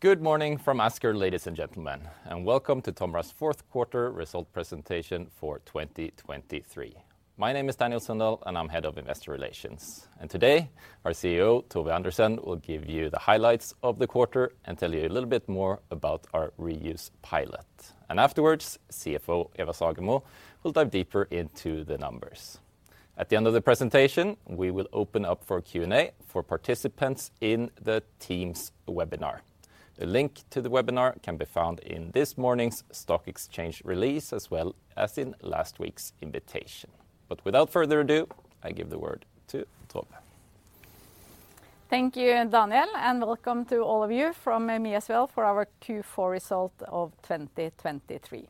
Good morning from Asker, ladies and gentlemen, and welcome to TOMRA's fourth quarter result presentation for 2023. My name is Daniel Sundahl, and I'm Head of Investor Relations. And today, our CEO, Tove Andersen, will give you the highlights of the quarter and tell you a little bit more about our reuse pilot. And afterwards, CFO, Eva Sagemo will dive deeper into the numbers. At the end of the presentation, we will open up for Q&A for participants in the Teams webinar. The link to the webinar can be found in this morning's stock exchange release as well as in last week's invitation. But without further ado, I give the word to Tove. Thank you, Daniel, and welcome to all of you from me as well for our Q4 result of 2023.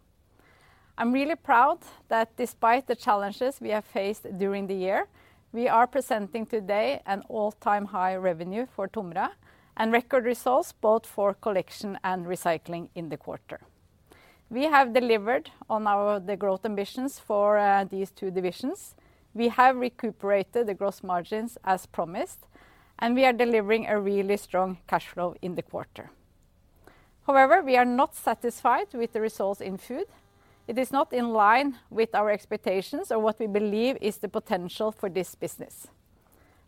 I'm really proud that despite the challenges we have faced during the year, we are presenting today an all-time high revenue for TOMRA and record results both for collection and recycling in the quarter. We have delivered on the growth ambitions for these two divisions. We have recuperated the gross margins as promised, and we are delivering a really strong cash flow in the quarter. However, we are not satisfied with the results in food. It is not in line with our expectations or what we believe is the potential for this business.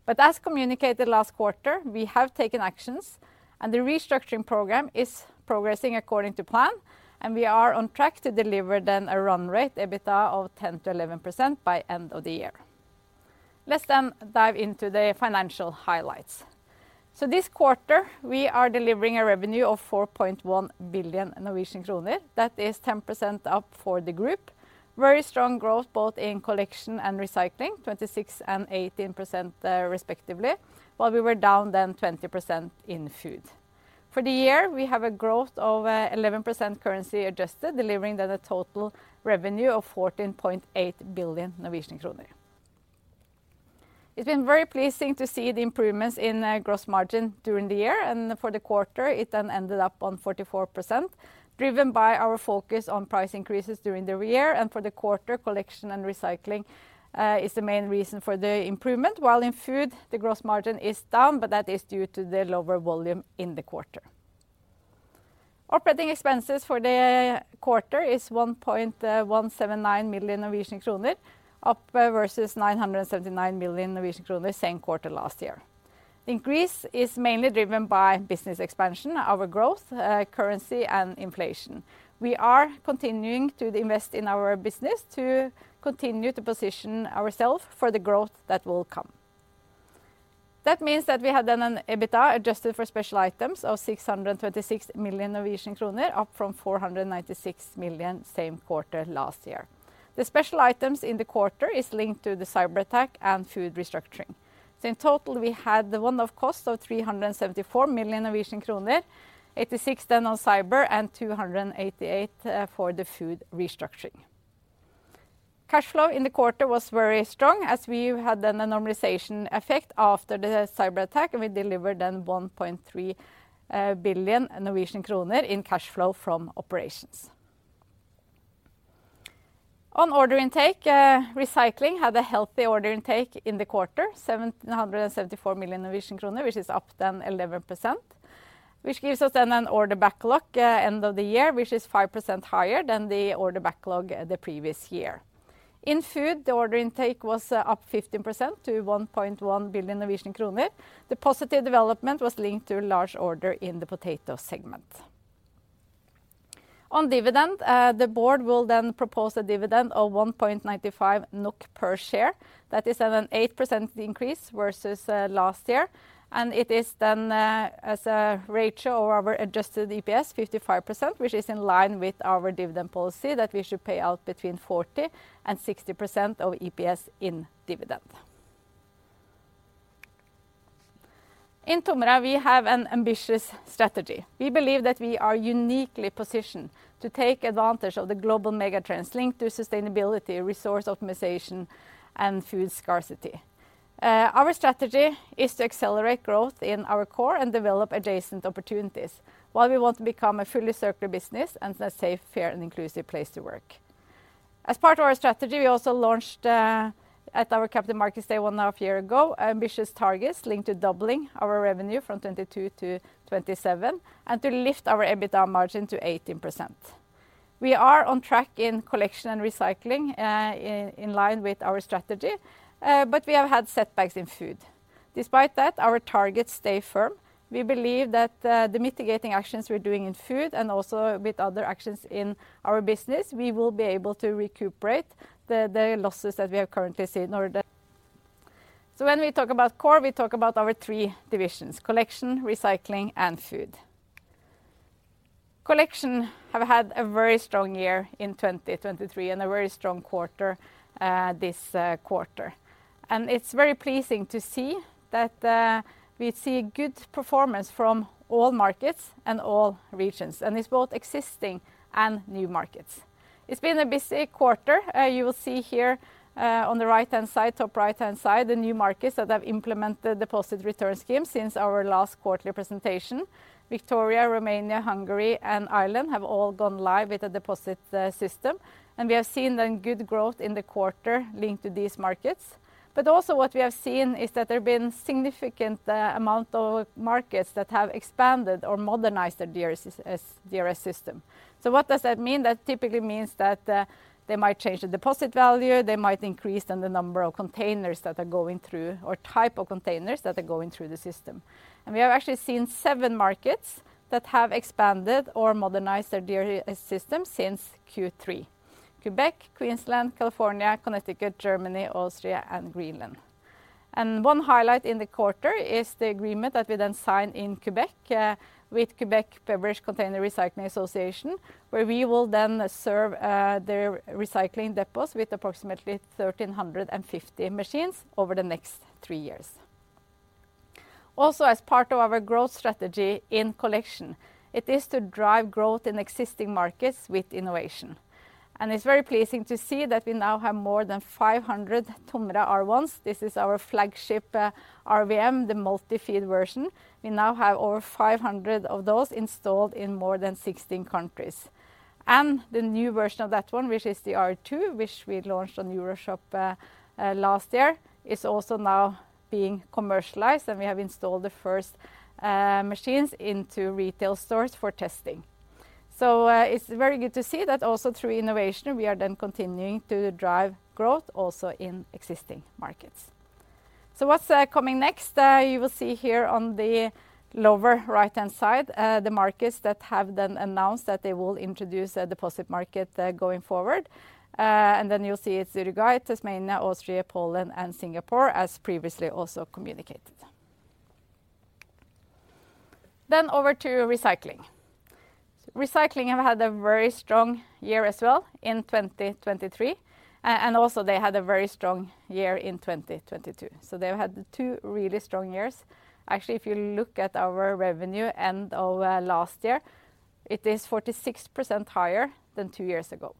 But as communicated last quarter, we have taken actions, and the restructuring program is progressing according to plan, and we are on track to deliver then a run rate EBITDA of 10%-11% by the end of the year. Let's then dive into the financial highlights. So this quarter, we are delivering a revenue of 4.1 billion Norwegian kroner. That is 10% up for the group. Very strong growth both in collection and recycling, 26% and 18% respectively, while we were down then 20% in food. For the year, we have a growth of 11% currency adjusted, delivering then a total revenue of 14.8 billion Norwegian kroner. It's been very pleasing to see the improvements in gross margin during the year, and for the quarter, it then ended up on 44%, driven by our focus on price increases during the year. For the quarter, collection and recycling is the main reason for the improvement, while in food, the gross margin is down, but that is due to the lower volume in the quarter. Operating expenses for the quarter is 1,179 million Norwegian kroner, up versus 979 million Norwegian kroner same quarter last year. The increase is mainly driven by business expansion, our growth, currency, and inflation. We are continuing to invest in our business to continue to position ourselves for the growth that will come. That means that we had then an EBITDA adjusted for special items of 626 million Norwegian kroner, up from 496 million same quarter last year. The special items in the quarter are linked to the cyber attack and food restructuring. So in total, we had one-off costs of 374 million Norwegian kroner, 86 million on cyber, and 288 million for the food restructuring. Cash flow in the quarter was very strong as we had then a normalization effect after the cyber attack, and we delivered then 1.3 billion Norwegian kroner in cash flow from operations. On order intake, recycling had a healthy order intake in the quarter, 774 million Norwegian kroner, which is up then 11%, which gives us then an order backlog end of the year, which is 5% higher than the order backlog the previous year. In food, the order intake was up 15% to 1.1 billion Norwegian kroner. The positive development was linked to large order in the potato segment. On dividend, the board will then propose a dividend of 1.95 NOK per share. That is then an 8% increase versus last year. It is then as a ratio of our adjusted EPS, 55%, which is in line with our dividend policy that we should pay out between 40% and 60% of EPS in dividend. In TOMRA, we have an ambitious strategy. We believe that we are uniquely positioned to take advantage of the global megatrends linked to sustainability, resource optimization, and food scarcity. Our strategy is to accelerate growth in our core and develop adjacent opportunities, while we want to become a fully circular business and a safe, fair, and inclusive place to work. As part of our strategy, we also launched at our Capital Markets Day one and a half years ago, ambitious targets linked to doubling our revenue from 22-27 and to lift our EBITDA margin to 18%. We are on track in Collection and Recycling in line with our strategy, but we have had setbacks in Food. Despite that, our targets stay firm. We believe that the mitigating actions we're doing in Food and also with other actions in our business, we will be able to recuperate the losses that we have currently seen. So when we talk about core, we talk about our three divisions, Collection, Recycling, and Food. Collection have had a very strong year in 2023 and a very strong quarter this quarter. And it's very pleasing to see that we see good performance from all markets and all regions, and it's both existing and new markets. It's been a busy quarter. You will see here on the right-hand side, top right-hand side, the new markets that have implemented deposit return schemes since our last quarterly presentation. Victoria, Romania, Hungary, and Ireland have all gone live with a deposit system. We have seen then good growth in the quarter linked to these markets. But also what we have seen is that there have been significant amounts of markets that have expanded or modernized their DRS system. So what does that mean? That typically means that they might change the deposit value. They might increase then the number of containers that are going through or type of containers that are going through the system. We have actually seen 7 markets that have expanded or modernized their DRS system since Q3: Quebec, Queensland, California, Connecticut, Germany, Austria, and Greenland. One highlight in the quarter is the agreement that we then signed in Quebec with Quebec Beverage Container Recycling Association, where we will then serve their recycling depots with approximately 1,350 machines over the next three years. Also, as part of our growth strategy in collection, it is to drive growth in existing markets with innovation. And it's very pleasing to see that we now have more than 500 TOMRA R1s. This is our flagship RVM, the multi-feed version. We now have over 500 of those installed in more than 16 countries. And the new version of that one, which is the R2, which we launched on EuroShop last year, is also now being commercialized, and we have installed the first machines into retail stores for testing. So it's very good to see that also through innovation, we are then continuing to drive growth also in existing markets. So what's coming next? You will see here on the lower right-hand side, the markets that have then announced that they will introduce a deposit market going forward. And then you'll see it's Uruguay, Tasmania, Austria, Poland, and Singapore, as previously also communicated. Then over to recycling. Recycling have had a very strong year as well in 2023. And also they had a very strong year in 2022. So they've had two really strong years. Actually, if you look at our revenue end of last year, it is 46% higher than two years ago.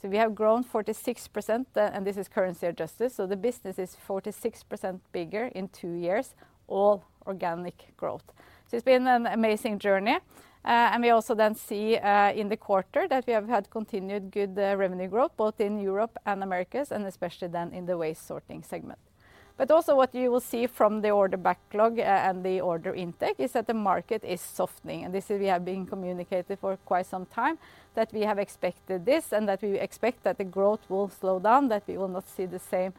So we have grown 46%, and this is currency adjusted. So the business is 46% bigger in two years, all organic growth. So it's been an amazing journey. And we also then see in the quarter that we have had continued good revenue growth both in Europe and Americas, and especially then in the waste sorting segment. But also what you will see from the order backlog and the order intake is that the market is softening. And this is we have been communicated for quite some time that we have expected this and that we expect that the growth will slow down, that we will not see the same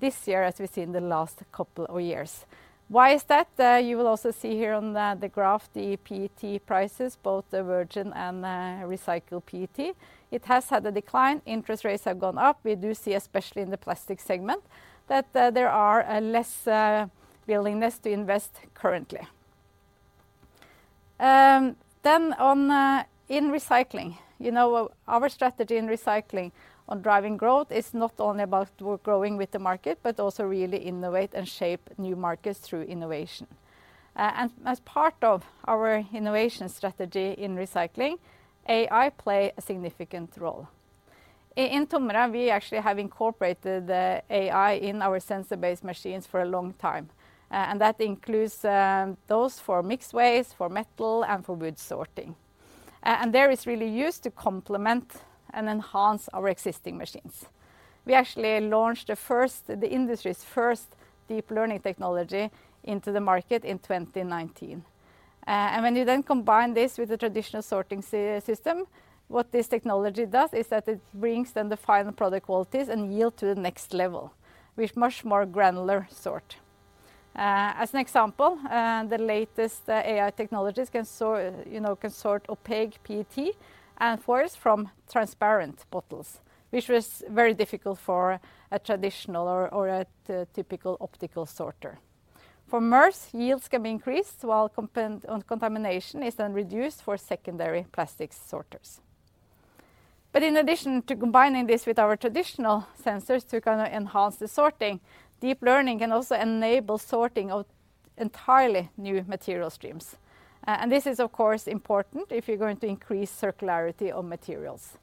this year as we've seen the last couple of years. Why is that? You will also see here on the graph the PET prices, both the virgin and recycled PET. It has had a decline. Interest rates have gone up. We do see, especially in the plastic segment, that there are less willingness to invest currently. Then in recycling, you know our strategy in recycling on driving growth is not only about growing with the market, but also really innovate and shape new markets through innovation. And as part of our innovation strategy in recycling, AI play a significant role. In TOMRA, we actually have incorporated AI in our sensor-based machines for a long time. And that includes those for mixed waste, for metal, and for wood sorting. And there is real use to complement and enhance our existing machines. We actually launched the industry's first deep learning technology into the market in 2019. And when you then combine this with the traditional sorting system, what this technology does is that it brings then the final product qualities and yield to the next level, which much more granular sort. As an example, the latest AI technologies can sort opaque PET and frosted from transparent bottles, which was very difficult for a traditional or a typical optical sorter. For MRFs, yields can be increased while contamination is then reduced for secondary plastics sorters. But in addition to combining this with our traditional sensors to kind of enhance the sorting, deep learning can also enable sorting of entirely new material streams. This is, of course, important if you're going to increase circularity of materials.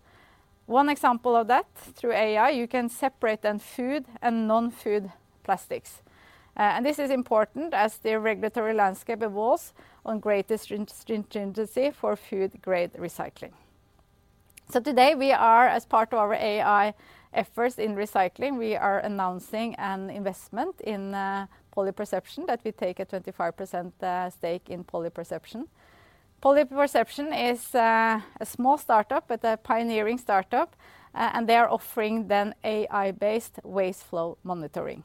One example of that, through AI, you can separate then food and non-food plastics. This is important as the regulatory landscape evolves on greater stringency for food-grade recycling. Today, as part of our AI efforts in recycling, we are announcing an investment in PolyPerception that we take a 25% stake in PolyPerception. PolyPerception is a small startup, but a pioneering startup. They are offering then AI-based waste flow monitoring.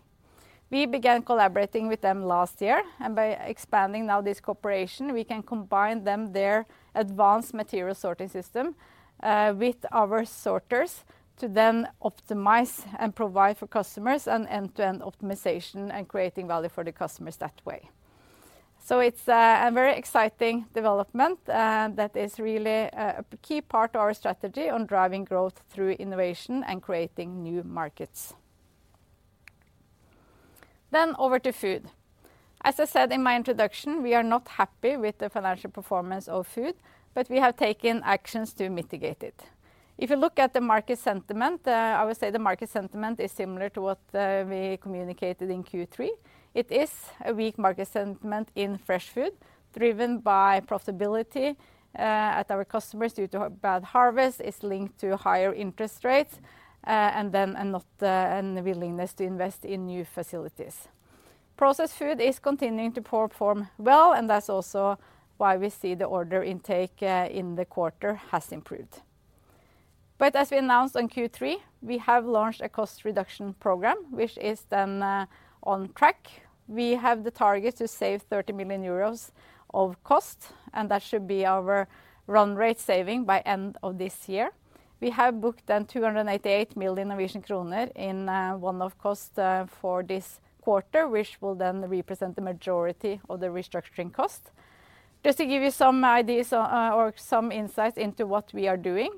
We began collaborating with them last year. By expanding now this cooperation, we can combine their advanced material sorting system with our sorters to then optimize and provide for customers an end-to-end optimization and creating value for the customers that way. So it's a very exciting development that is really a key part of our strategy on driving growth through innovation and creating new markets. Then over to food. As I said in my introduction, we are not happy with the financial performance of food, but we have taken actions to mitigate it. If you look at the market sentiment, I would say the market sentiment is similar to what we communicated in Q3. It is a weak market sentiment in fresh food, driven by profitability at our customers due to bad harvests, is linked to higher interest rates, and then not a willingness to invest in new facilities. Processed food is continuing to perform well, and that's also why we see the order intake in the quarter has improved. But as we announced on Q3, we have launched a cost reduction program, which is then on track. We have the target to save 30 million euros of cost, and that should be our run rate saving by end of this year. We have booked then 288 million Norwegian kroner in one-off costs for this quarter, which will then represent the majority of the restructuring cost. Just to give you some ideas or some insights into what we are doing,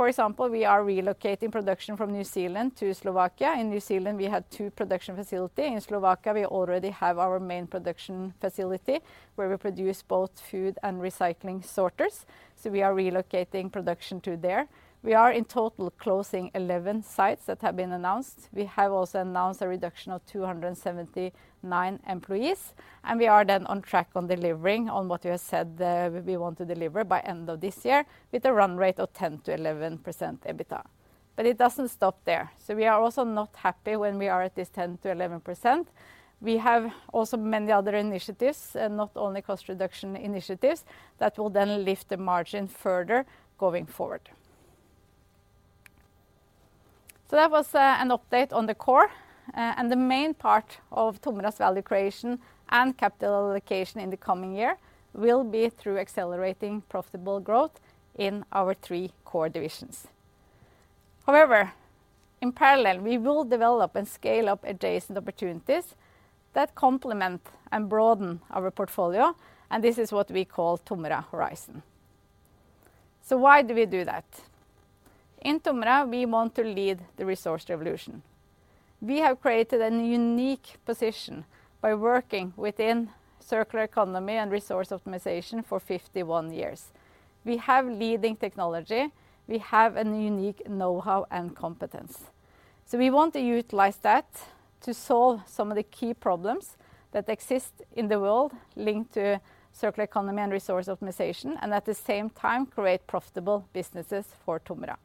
for example, we are relocating production from New Zealand to Slovakia. In New Zealand, we had 2 production facilities. In Slovakia, we already have our main production facility where we produce both food and recycling sorters. So we are relocating production to there. We are in total closing 11 sites that have been announced. We have also announced a reduction of 279 employees. We are then on track on delivering on what we have said we want to deliver by end of this year with a run rate of 10%-11% EBITDA. But it doesn't stop there. So we are also not happy when we are at this 10%-11%. We have also many other initiatives, not only cost reduction initiatives, that will then lift the margin further going forward. So that was an update on the core. And the main part of TOMRA's value creation and capital allocation in the coming year will be through accelerating profitable growth in our three core divisions. However, in parallel, we will develop and scale up adjacent opportunities that complement and broaden our portfolio. And this is what we call TOMRA Horizon. So why do we do that? In TOMRA, we want to lead the resource revolution. We have created a unique position by working within circular economy and resource optimization for 51 years. We have leading technology. We have a unique know-how and competence. So we want to utilize that to solve some of the key problems that exist in the world linked to circular economy and resource optimization, and at the same time, create profitable businesses for TOMRA.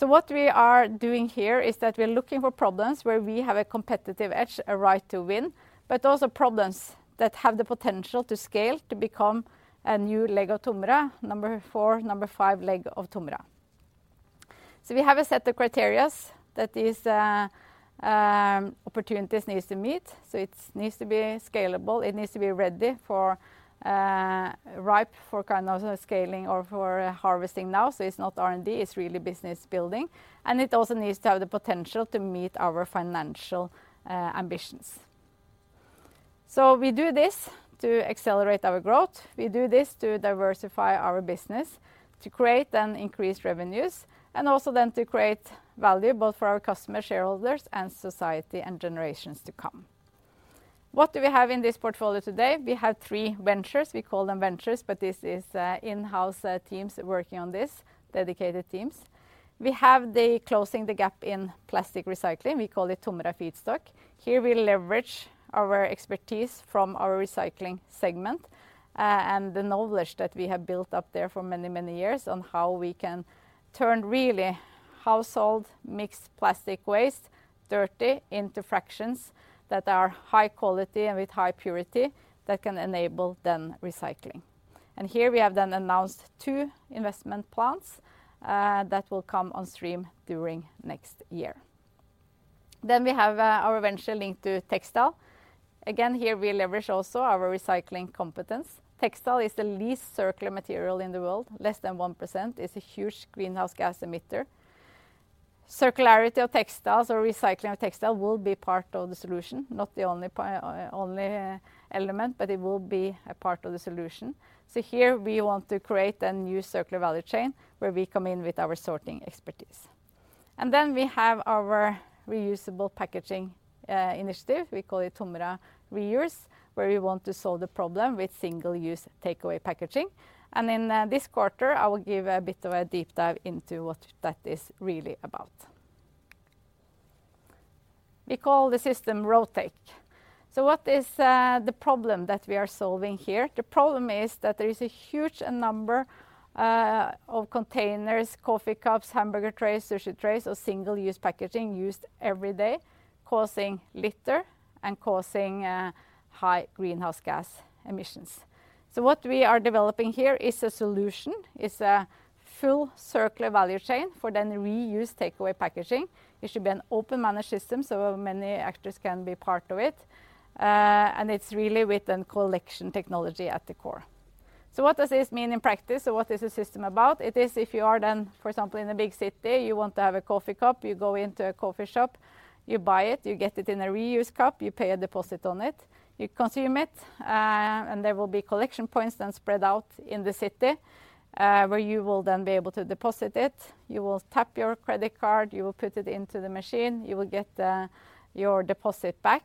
So what we are doing here is that we're looking for problems where we have a competitive edge, a right to win, but also problems that have the potential to scale to become a new leg of TOMRA, number 4, number 5 leg of TOMRA. So we have a set of criteria that these opportunities need to meet. So it needs to be scalable. It needs to be ready for ripe for kind of scaling or for harvesting now. So it's not R&D. It's really business building. And it also needs to have the potential to meet our financial ambitions. So we do this to accelerate our growth. We do this to diversify our business, to create then increased revenues, and also then to create value both for our customers, shareholders, and society and generations to come. What do we have in this portfolio today? We have three ventures. We call them ventures, but this is in-house teams working on this, dedicated teams. We have the closing the gap in plastic recycling. We call it TOMRA Feedstock. Here, we leverage our expertise from our recycling segment and the knowledge that we have built up there for many, many years on how we can turn really household mixed plastic waste, dirty, into fractions that are high quality and with high purity that can enable then recycling. And here, we have then announced two investment plants that will come on stream during next year. Then we have our venture linked to textile. Again, here, we leverage also our recycling competence. Textile is the least circular material in the world. Less than 1% is a huge greenhouse gas emitter. Circularity of textiles or recycling of textile will be part of the solution, not the only element, but it will be a part of the solution. So here, we want to create a new circular value chain where we come in with our sorting expertise. And then we have our reusable packaging initiative. We call it TOMRA Reuse, where we want to solve the problem with single-use takeaway packaging. And in this quarter, I will give a bit of a deep dive into what that is really about. We call the system Rotate. So what is the problem that we are solving here? The problem is that there is a huge number of containers, coffee cups, hamburger trays, sushi trays, or single-use packaging used every day, causing litter and causing high greenhouse gas emissions. So what we are developing here is a solution, is a full circular value chain for the reuse takeaway packaging. It should be an open-managed system so many actors can be part of it. And it's really with the collection technology at the core. So what does this mean in practice? So what is the system about? It is if you are the, for example, in a big city, you want to have a coffee cup. You go into a coffee shop. You buy it. You get it in a reuse cup. You pay a deposit on it. You consume it. There will be collection points then spread out in the city where you will then be able to deposit it. You will tap your credit card. You will put it into the machine. You will get your deposit back.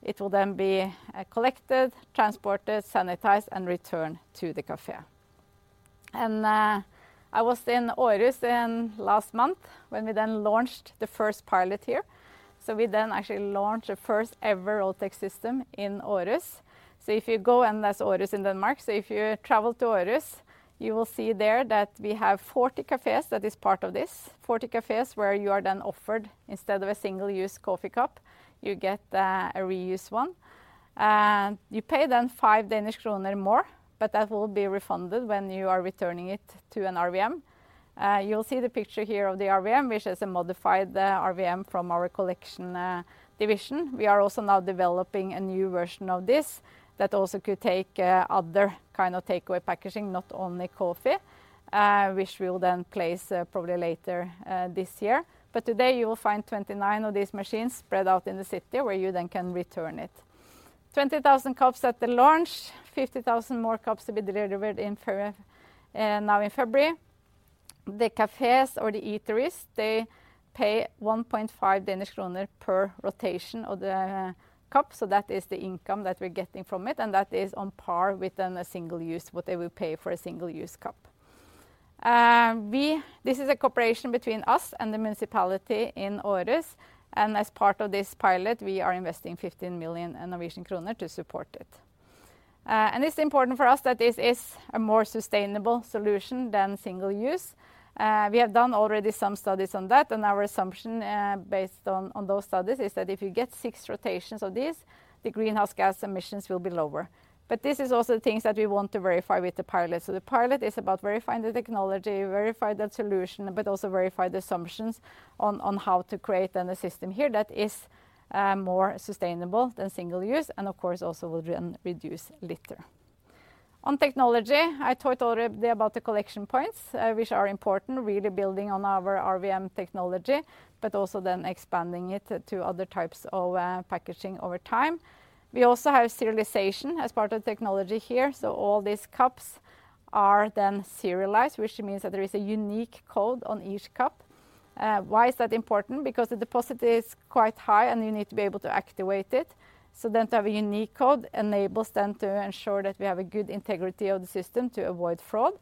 It will then be collected, transported, sanitized, and returned to the café. I was in Aarhus in last month when we then launched the first pilot here. We then actually launched the first-ever Rotate system in Aarhus. If you go and that's Aarhus in Denmark. If you travel to Aarhus, you will see there that we have 40 cafés that is part of this, 40 cafés where you are then offered instead of a single-use coffee cup, you get a reuse one. You pay then 5 Danish kroner more, but that will be refunded when you are returning it to an RVM. You will see the picture here of the RVM, which is a modified RVM from our collection division. We are also now developing a new version of this that also could take other kind of takeaway packaging, not only coffee, which we will then place probably later this year. But today, you will find 29 of these machines spread out in the city where you then can return it. 20,000 cups at the launch, 50,000 more cups to be delivered now in February. The cafés or the eateries, they pay 1.5 Danish kroner per rotation of the cup. So that is the income that we're getting from it. And that is on par with then a single-use, what they will pay for a single-use cup. This is a cooperation between us and the municipality in Aarhus. As part of this pilot, we are investing 15 million Norwegian kroner to support it. It's important for us that this is a more sustainable solution than single-use. We have done already some studies on that. Our assumption based on those studies is that if you get six rotations of these, the greenhouse gas emissions will be lower. But this is also the things that we want to verify with the pilot. The pilot is about verifying the technology, verifying the solution, but also verifying the assumptions on how to create then a system here that is more sustainable than single-use and, of course, also will then reduce litter. On technology, I talked already about the collection points, which are important, really building on our RVM technology, but also then expanding it to other types of packaging over time. We also have serialization as part of the technology here. So all these cups are then serialized, which means that there is a unique code on each cup. Why is that important? Because the deposit is quite high, and you need to be able to activate it. So then to have a unique code enables then to ensure that we have a good integrity of the system to avoid fraud.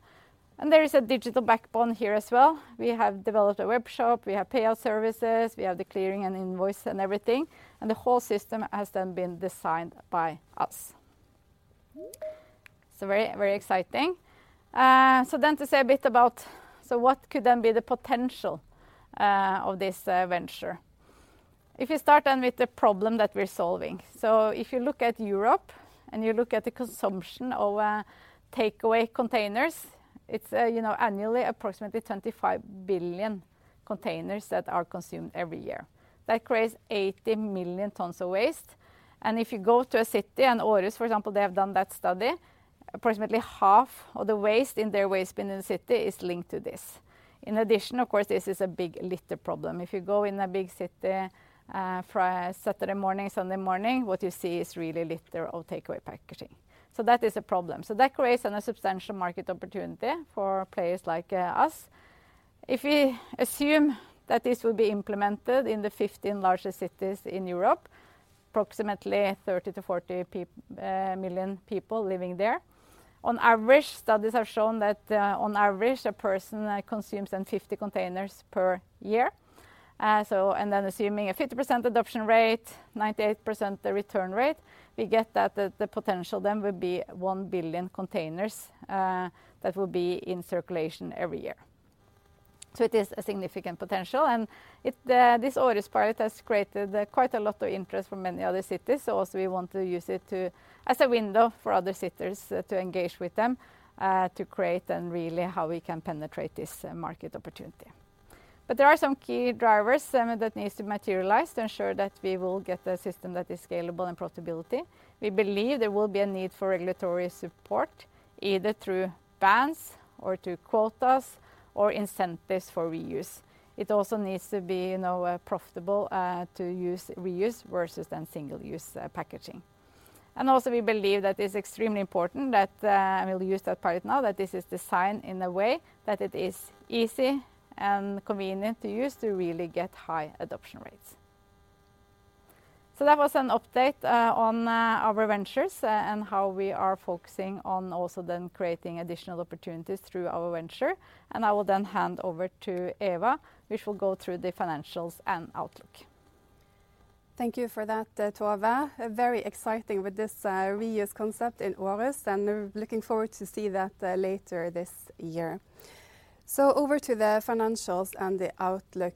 And there is a digital backbone here as well. We have developed a webshop. We have payout services. We have the clearing and invoice and everything. And the whole system has then been designed by us. So very, very exciting. So then to say a bit about so what could then be the potential of this venture? If we start then with the problem that we're solving, so if you look at Europe and you look at the consumption of takeaway containers, it's annually approximately 25 billion containers that are consumed every year. That creates 80 million tons of waste. If you go to a city, and Aarhus, for example, they have done that study, approximately half of the waste in their waste bin in the city is linked to this. In addition, of course, this is a big litter problem. If you go in a big city Saturday morning, Sunday morning, what you see is really litter of takeaway packaging. So that is a problem. That creates then a substantial market opportunity for players like us. If we assume that this will be implemented in the 15 largest cities in Europe, approximately 30-40 million people living there, on average, studies have shown that on average, a person consumes 50 containers per year. Then assuming a 50% adoption rate, 98% the return rate, we get that the potential then will be 1 billion containers that will be in circulation every year. So it is a significant potential. This Aarhus pilot has created quite a lot of interest from many other cities. We want to use it as a window for other citizens to engage with them to create then really how we can penetrate this market opportunity. But there are some key drivers that need to materialize to ensure that we will get a system that is scalable and profitability. We believe there will be a need for regulatory support either through bans or through quotas or incentives for reuse. It also needs to be profitable to use reuse versus then single-use packaging. Also, we believe that it's extremely important that I will use that part right now, that this is designed in a way that it is easy and convenient to use to really get high adoption rates. That was an update on our ventures and how we are focusing on also then creating additional opportunities through our venture. I will then hand over to Eva, which will go through the financials and outlook. Thank you for that, Tove. Very exciting with this reuse concept in Aarhus. Looking forward to see that later this year. Over to the financials and the outlook.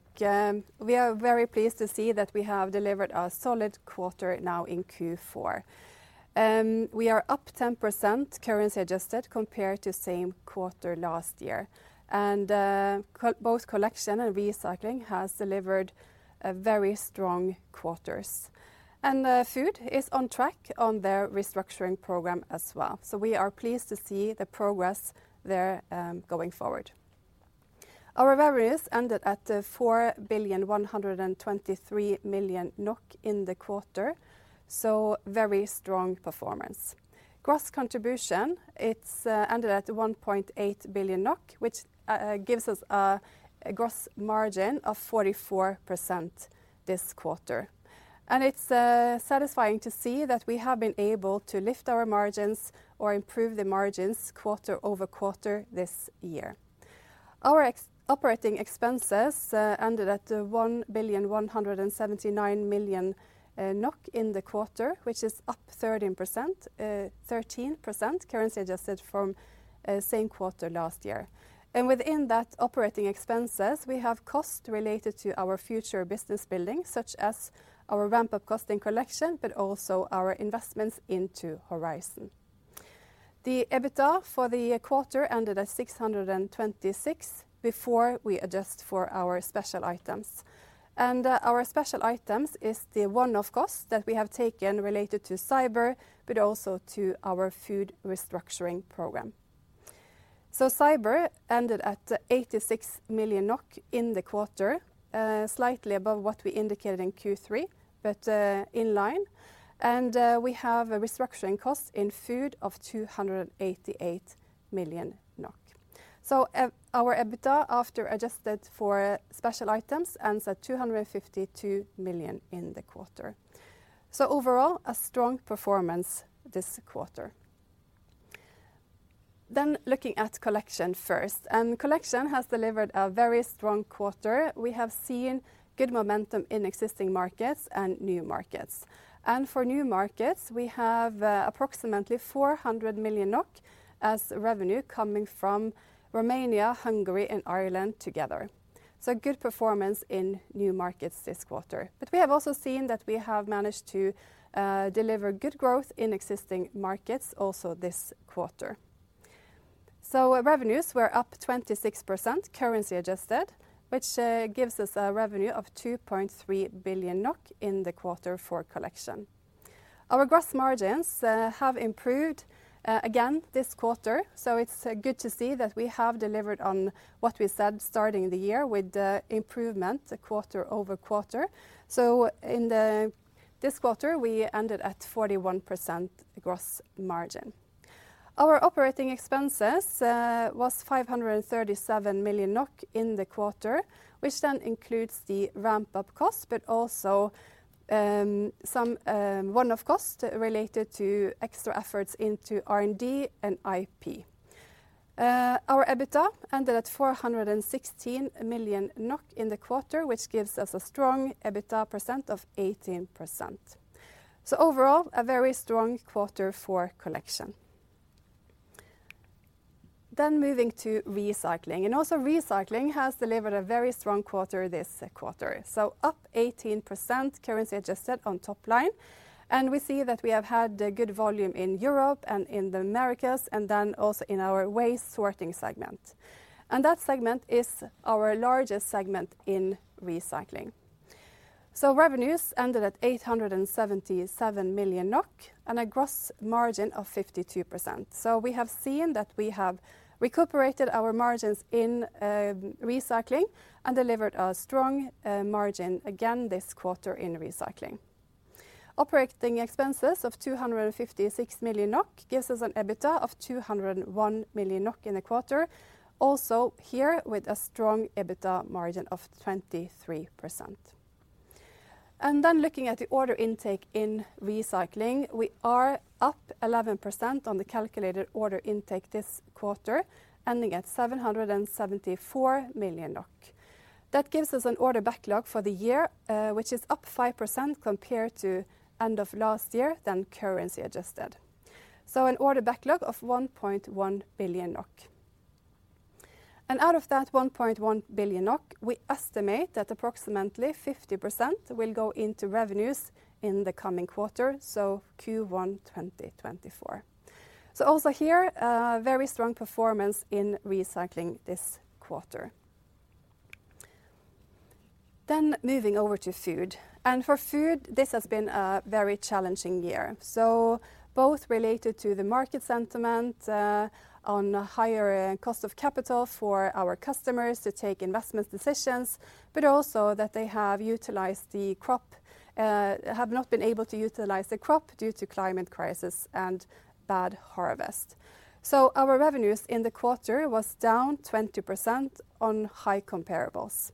We are very pleased to see that we have delivered a solid quarter now in Q4. We are up 10% currency adjusted compared to same quarter last year. Both collection and recycling has delivered very strong quarters. Food is on track on their restructuring program as well. We are pleased to see the progress there going forward. Our revenues ended at 4,123 million NOK in the quarter. Very strong performance. Gross contribution, it's ended at 1.8 billion NOK, which gives us a gross margin of 44% this quarter. It's satisfying to see that we have been able to lift our margins or improve the margins quarter-over-quarter this year. Our operating expenses ended at 1,179 million NOK in the quarter, which is up 13%, 13% currency adjusted from same quarter last year. Within that operating expenses, we have costs related to our future business building, such as our ramp-up cost in collection, but also our investments into Horizon. The EBITDA for the quarter ended at 626 before we adjust for our special items. Our special items is the one-off cost that we have taken related to cyber, but also to our food restructuring program. So cyber ended at 86 million NOK in the quarter, slightly above what we indicated in Q3, but in line. We have a restructuring cost in food of 288 million NOK. So our EBITDA, after adjusted for special items, ends at 252 million in the quarter. Overall, a strong performance this quarter. Looking at collection first. Collection has delivered a very strong quarter. We have seen good momentum in existing markets and new markets. For new markets, we have approximately 400 million NOK as revenue coming from Romania, Hungary, and Ireland together. Good performance in new markets this quarter. But we have also seen that we have managed to deliver good growth in existing markets also this quarter. Revenues, we're up 26% currency adjusted, which gives us a revenue of 2.3 billion NOK in the quarter for collection. Our gross margins have improved again this quarter. It's good to see that we have delivered on what we said starting the year with improvement quarter-over-quarter. In this quarter, we ended at 41% gross margin. Our operating expenses was 537 million NOK in the quarter, which then includes the ramp-up cost, but also some one-off cost related to extra efforts into R&D and IP. Our EBITDA ended at 416 million NOK in the quarter, which gives us a strong EBITDA percent of 18%. Overall, a very strong quarter for collection. Moving to recycling. Also, recycling has delivered a very strong quarter this quarter, so up 18% currency adjusted on top line. We see that we have had good volume in Europe and in the Americas and then also in our waste sorting segment. That segment is our largest segment in recycling. Revenues ended at 877 million NOK and a gross margin of 52%. We have seen that we have recuperated our margins in recycling and delivered a strong margin again this quarter in recycling. Operating expenses of 256 million NOK gives us an EBITDA of 201 million NOK in the quarter, also here with a strong EBITDA margin of 23%. Then looking at the order intake in recycling, we are up 11% on the calculated order intake this quarter, ending at 774 million NOK. That gives us an order backlog for the year, which is up 5% compared to end of last year, then currency adjusted. So an order backlog of 1.1 billion NOK. And out of that 1.1 billion NOK, we estimate that approximately 50% will go into revenues in the coming quarter, so Q1 2024. Also here, very strong performance in recycling this quarter. Then moving over to food. And for food, this has been a very challenging year, so both related to the market sentiment on higher cost of capital for our customers to take investment decisions, but also that they have utilized the crop have not been able to utilize the crop due to climate crisis and bad harvest. Our revenues in the quarter was down 20% on high comparables.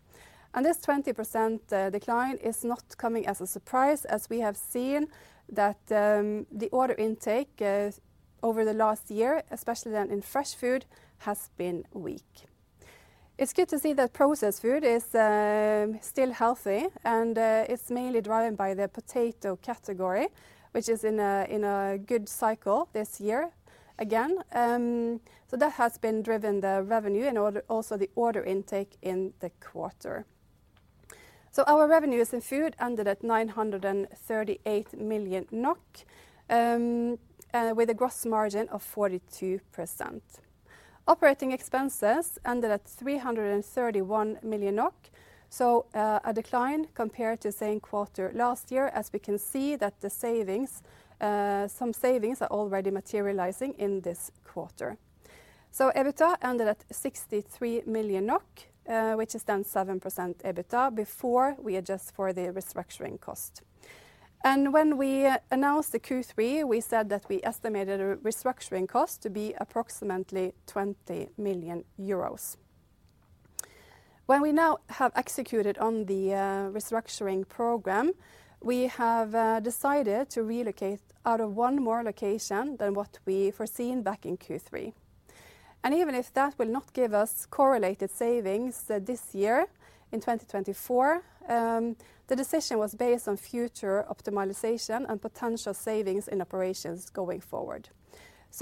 This 20% decline is not coming as a surprise as we have seen that the order intake over the last year, especially then in fresh food, has been weak. It's good to see that processed food is still healthy. It's mainly driven by the potato category, which is in a good cycle this year again. That has been driven the revenue and also the order intake in the quarter. Our revenues in food ended at 938 million NOK with a gross margin of 42%. Operating expenses ended at 331 million NOK, so a decline compared to same quarter last year, as we can see that some savings are already materializing in this quarter. EBITDA ended at 63 million NOK, which is then 7% EBITDA before we adjust for the restructuring cost. When we announced the Q3, we said that we estimated a restructuring cost to be approximately 20 million euros. When we now have executed on the restructuring program, we have decided to relocate out of one more location than what we foreseen back in Q3. Even if that will not give us correlated savings this year in 2024, the decision was based on future optimization and potential savings in operations going forward.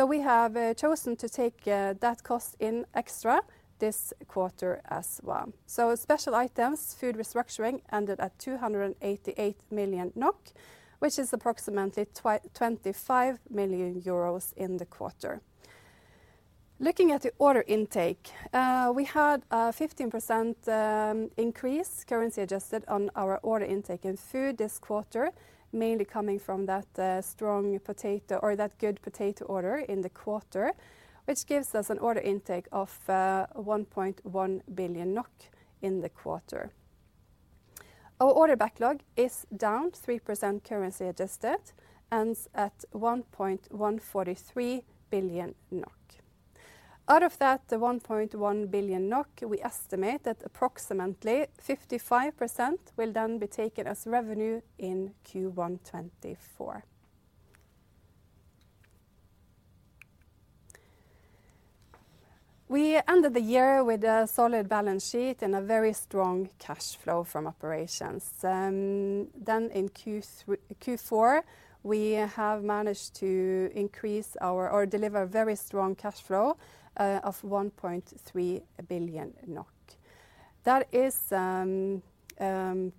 We have chosen to take that cost in extra this quarter as well. Special items, food restructuring ended at 288 million NOK, which is approximately 25 million euros in the quarter. Looking at the order intake, we had a 15% increase currency adjusted on our order intake in food this quarter, mainly coming from that strong potato or that good potato order in the quarter, which gives us an order intake of 1.1 billion NOK in the quarter. Our order backlog is down 3% currency adjusted, ends at 1.143 billion NOK. Out of that 1.1 billion NOK, we estimate that approximately 55% will then be taken as revenue in Q1 2024. We ended the year with a solid balance sheet and a very strong cash flow from operations. Then in Q4, we have managed to increase or deliver very strong cash flow of 1.3 billion NOK. That is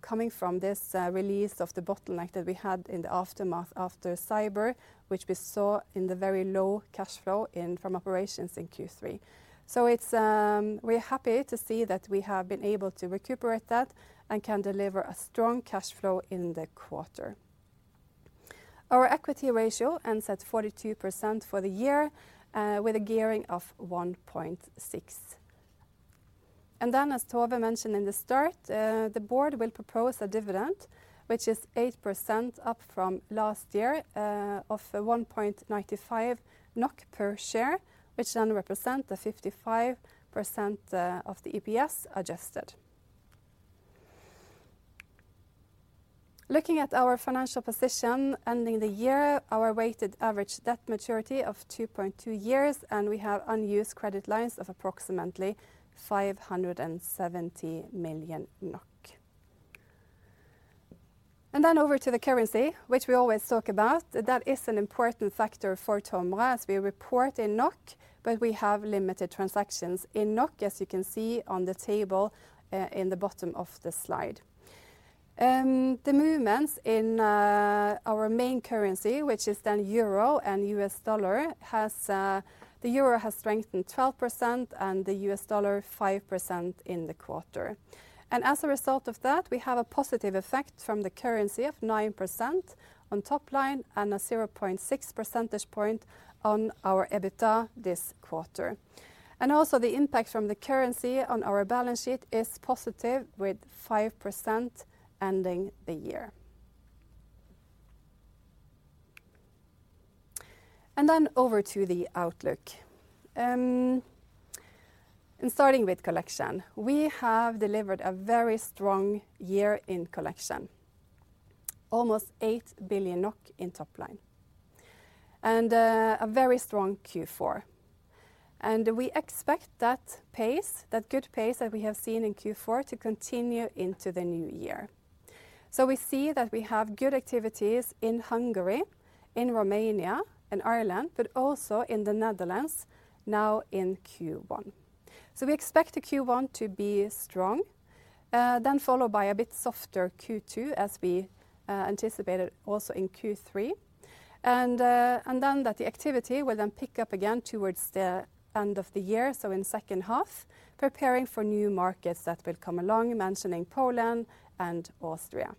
coming from this release of the bottleneck that we had in the aftermath after cyber, which we saw in the very low cash flow from operations in Q3. So we're happy to see that we have been able to recuperate that and can deliver a strong cash flow in the quarter. Our equity ratio ends at 42% for the year with a gearing of 1.6. And then, as Tove mentioned in the start, the board will propose a dividend, which is 8% up from last year of 1.95 NOK per share, which then represents the 55% of the EPS adjusted. Looking at our financial position ending the year, our weighted average debt maturity of 2.2 years, and we have unused credit lines of approximately 570 million NOK. And then over to the currency, which we always talk about. That is an important factor for TOMRA as we report in NOK, but we have limited transactions in NOK, as you can see on the table in the bottom of the slide. The movements in our main currency, which is the Euro and US dollar, has. The Euro has strengthened 12% and the US dollar 5% in the quarter. As a result of that, we have a positive effect from the currency of 9% on top line and a 0.6 percentage point on our EBITDA this quarter. Also, the impact from the currency on our balance sheet is positive with 5% ending the year. Then over to the outlook. Starting with collection, we have delivered a very strong year in collection, almost 8 billion NOK in top line, and a very strong Q4. We expect that pace, that good pace that we have seen in Q4 to continue into the new year. So we see that we have good activities in Hungary, in Romania and Ireland, but also in the Netherlands now in Q1. So we expect the Q1 to be strong, then followed by a bit softer Q2 as we anticipated also in Q3, and then that the activity will then pick up again towards the end of the year, so in second half, preparing for new markets that will come along, mentioning Poland and Austria.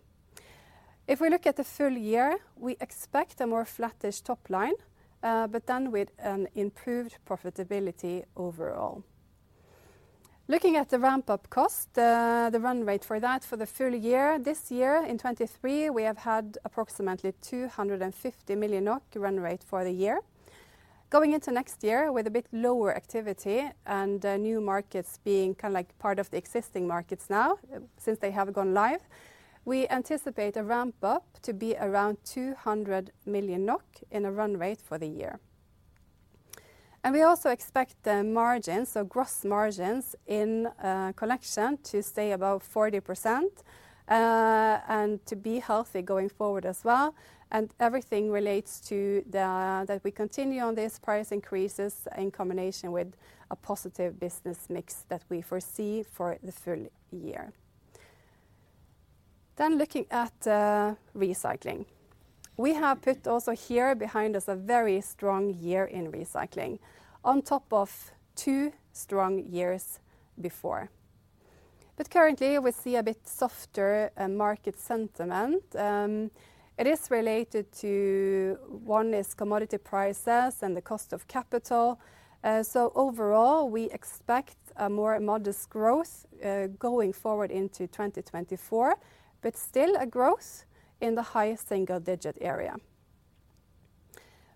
If we look at the full year, we expect a more flattish top line, but then with an improved profitability overall. Looking at the ramp-up cost, the run rate for that for the full year, this year in 2023, we have had approximately 250 million NOK run rate for the year. Going into next year with a bit lower activity and new markets being kind of like part of the existing markets now since they have gone live, we anticipate a ramp-up to be around 200 million NOK in a run rate for the year. We also expect the margins, so gross margins in collection, to stay above 40% and to be healthy going forward as well. Everything relates to the fact that we continue on these price increases in combination with a positive business mix that we foresee for the full year. Looking at recycling, we have put also here behind us a very strong year in recycling on top of two strong years before. But currently, we see a bit softer market sentiment. It is related to one is commodity prices and the cost of capital. So overall, we expect a more modest growth going forward into 2024, but still a growth in the high single digit area.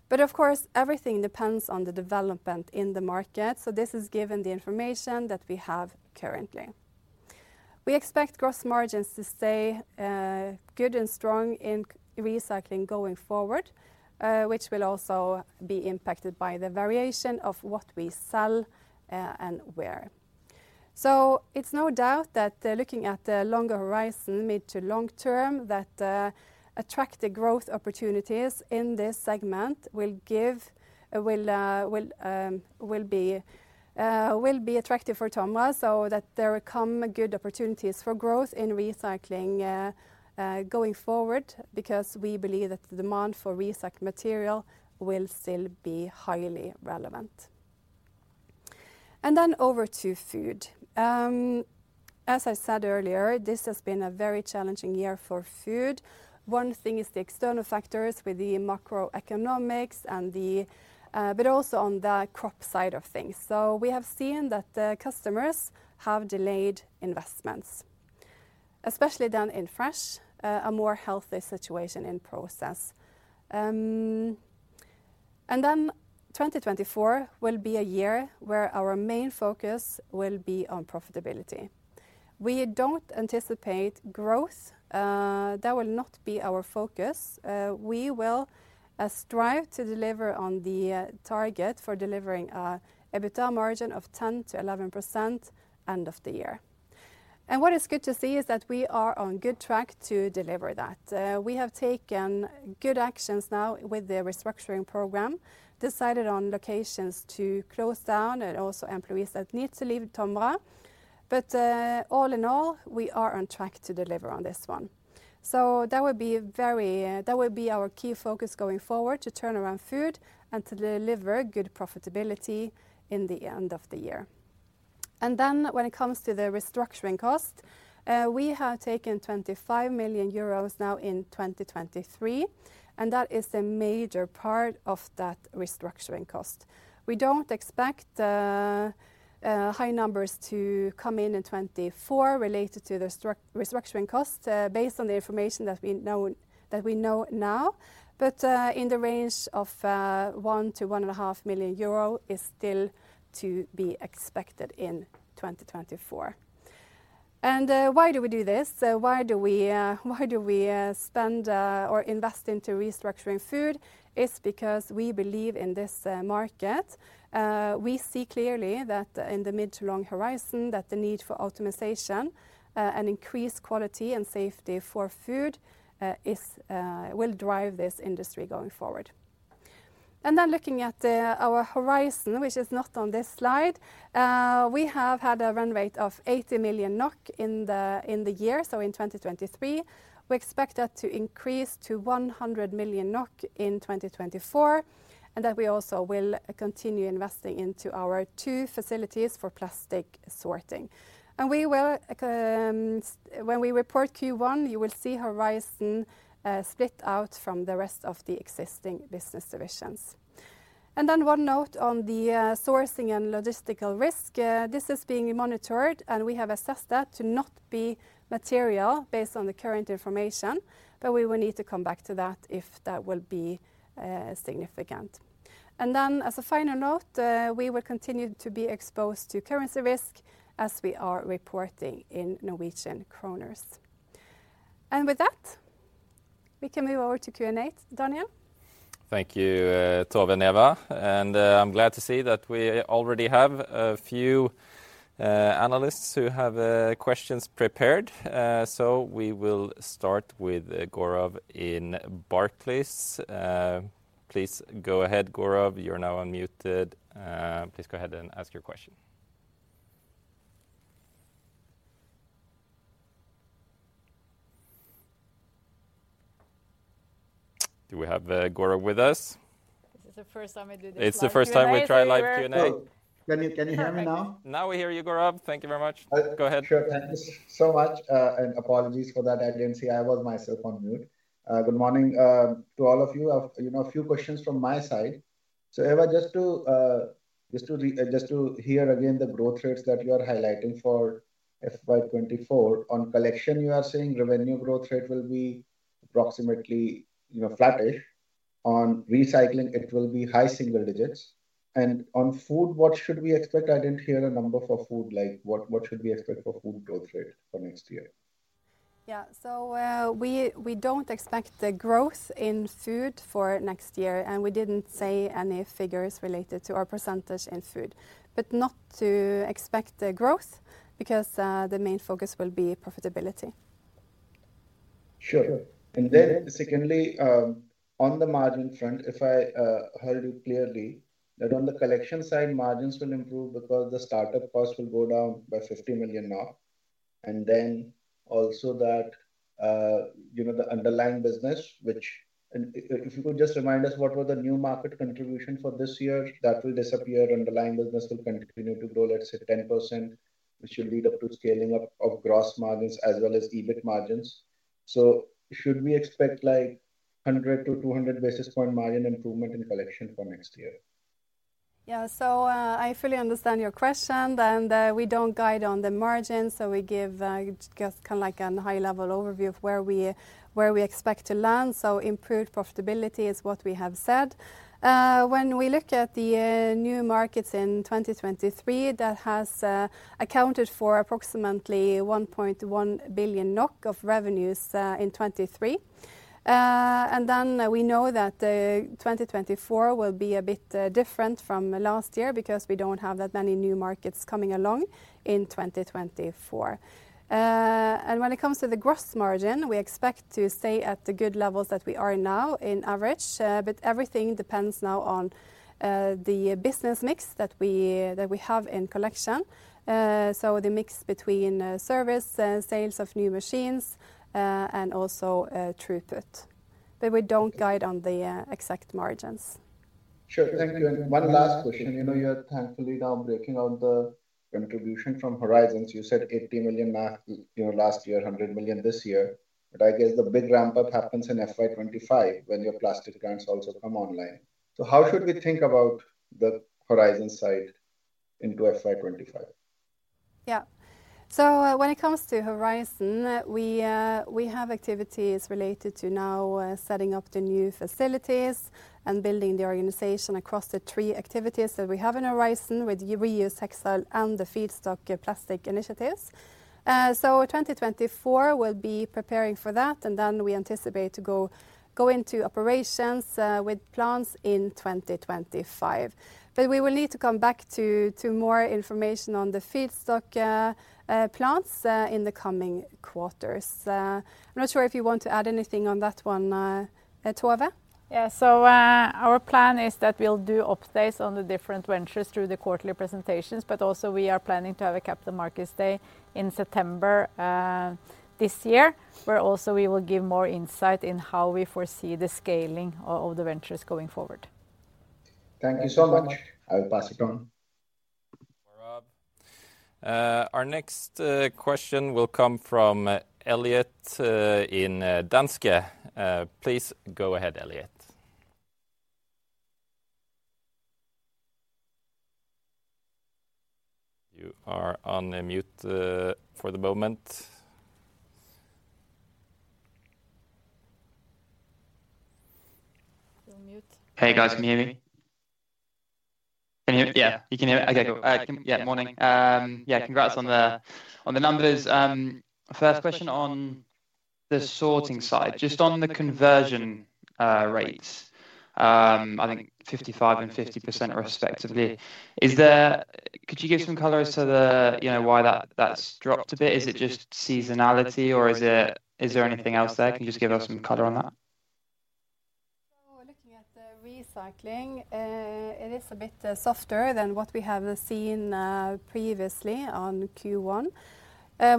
But of course, everything depends on the development in the market. So this is given the information that we have currently. We expect gross margins to stay good and strong in recycling going forward, which will also be impacted by the variation of what we sell and where. So it's no doubt that looking at the longer horizon, mid to long term, that attractive growth opportunities in this segment will be attractive for TOMRA so that there will come good opportunities for growth in recycling going forward because we believe that the demand for recycled material will still be highly relevant. And then over to food. As I said earlier, this has been a very challenging year for food. One thing is the external factors with the macroeconomics and the but also on the crop side of things. So we have seen that customers have delayed investments, especially then in fresh, a more healthy situation in process. And then 2024 will be a year where our main focus will be on profitability. We don't anticipate growth. That will not be our focus. We will strive to deliver on the target for delivering an EBITDA margin of 10%-11% end of the year. And what is good to see is that we are on good track to deliver that. We have taken good actions now with the restructuring program, decided on locations to close down and also employees that need to leave TOMRA. But all in all, we are on track to deliver on this one. So that will be our key focus going forward to turn around food and to deliver good profitability in the end of the year. And then when it comes to the restructuring cost, we have taken 25 million euros now in 2023. And that is a major part of that restructuring cost. We don't expect high numbers to come in in 2024 related to the restructuring cost based on the information that we know now. But in the range of 1 million-1.5 million euro is still to be expected in 2024. And why do we do this? Why do we spend or invest into restructuring food? It's because we believe in this market. We see clearly that in the mid to long horizon, that the need for optimization and increased quality and safety for food will drive this industry going forward. Then looking at our Horizon, which is not on this slide, we have had a run rate of 80 million NOK in the year, so in 2023. We expect that to increase to 100 million NOK in 2024 and that we also will continue investing into our two facilities for plastic sorting. When we report Q1, you will see Horizon split out from the rest of the existing business divisions. One note on the sourcing and logistical risk. This is being monitored, and we have assessed that to not be material based on the current information. But we will need to come back to that if that will be significant. As a final note, we will continue to be exposed to currency risk as we are reporting in Norwegian kroner. With that, we can move over to Q&A, Daniel. Thank you, Tove and Eva. I'm glad to see that we already have a few analysts who have questions prepared. So we will start with Gaurav in Barclays. Please go ahead, Gaurav. You're now unmuted. Please go ahead and ask your question. Do we have Gaurav with us? This is the first time I do this live. It's the first time we try live Q&A. Can you hear me now? Now we hear you, Gaurav. Thank you very much. Go ahead. Sure. Thanks so much. And apologies for that, Adrian. See, I was myself on mute. Good morning to all of you. A few questions from my side. So Eva, just to hear again the growth rates that you are highlighting for FY 2024 on collection, you are saying revenue growth rate will be approximately flattish. On recycling, it will be high single digits. On food, what should we expect? I didn't hear a number for food. What should we expect for food growth rate for next year? Yeah. So we don't expect growth in food for next year. We didn't say any figures related to our percentage in food. But not to expect growth because the main focus will be profitability. Sure. Then secondly, on the margin front, if I heard you clearly, that on the collection side, margins will improve because the startup cost will go down by 50 million. Then also that the underlying business, which if you could just remind us what were the new market contribution for this year, that will disappear. Underlying business will continue to grow, let's say, 10%, which will lead up to scaling up of gross margins as well as EBIT margins. So should we expect 100-200 basis point margin improvement in collection for next year? Yeah. So I fully understand your question. And we don't guide on the margins. So we give just kind of like a high-level overview of where we expect to land. So improved profitability is what we have said. When we look at the new markets in 2023, that has accounted for approximately 1.1 billion NOK of revenues in 2023. And then we know that 2024 will be a bit different from last year because we don't have that many new markets coming along in 2024. And when it comes to the gross margin, we expect to stay at the good levels that we are now in average. But everything depends now on the business mix that we have in collection. So the mix between service sales of new machines and also throughput. But we don't guide on the exact margins. Sure. Thank you. And one last question. You know you're thankfully now breaking out the contribution from Horizons. You said 80 million last year, 100 million this year. But I guess the big ramp-up happens in FY 2025 when your plastic grants also come online. So how should we think about the Horizons side into FY 2025? Yeah. So when it comes to Horizons, we have activities related to now setting up the new facilities and building the organization across the three activities that we have in Horizons with reuse, textile, and the feedstock plastic initiatives. So 2024 will be preparing for that. And then we anticipate to go into operations with plants in 2025. But we will need to come back to more information on the feedstock plants in the coming quarters. I'm not sure if you want to add anything on that one, Tove. Yeah. So our plan is that we'll do updates on the different ventures through the quarterly presentations. But also, we are planning to have a Capital Markets Day in September this year where also we will give more insight in how we foresee the scaling of the ventures going forward. Thank you so much. I will pass it on. Gaurav. Our next question will come from Elliott in Danske. Please go ahead, Elliott. You are on mute for the moment. You're on mute. Hey, guys. Can you hear me? Can you hear me? Yeah. You can hear me? Okay. Yeah. Morning. Yeah. Congrats on the numbers. First question on the sorting side, just on the conversion rates, I think 55% and 50% respectively. Could you give some colors to why that's dropped a bit? Is it just seasonality, or is there anything else there? Can you just give us some color on that? So looking at the recycling, it is a bit softer than what we have seen previously on Q1.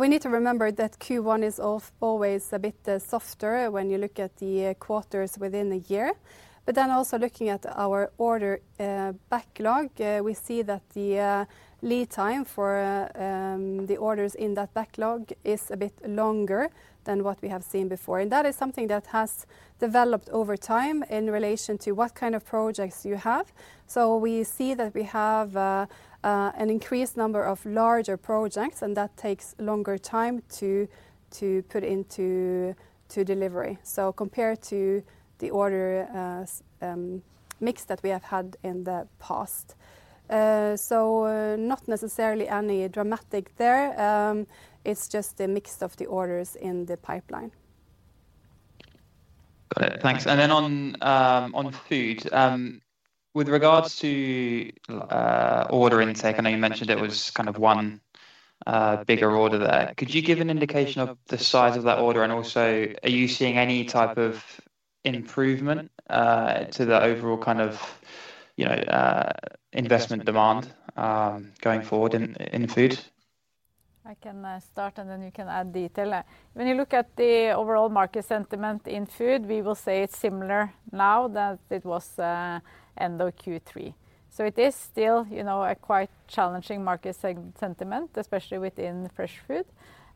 We need to remember that Q1 is always a bit softer when you look at the quarters within a year. But then also looking at our order backlog, we see that the lead time for the orders in that backlog is a bit longer than what we have seen before. And that is something that has developed over time in relation to what kind of projects you have. So we see that we have an increased number of larger projects, and that takes longer time to put into delivery compared to the order mix that we have had in the past. So not necessarily any drama there. It's just a mix of the orders in the pipeline. Got it. Thanks. And then on food, with regards to order intake, I know you mentioned it was kind of one bigger order there. Could you give an indication of the size of that order? And also, are you seeing any type of improvement to the overall kind of investment demand going forward in food? I can start, and then you can add detail. When you look at the overall market sentiment in food, we will say it's similar now that it was end of Q3. So it is still a quite challenging market sentiment, especially within fresh food.